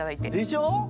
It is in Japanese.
でしょ？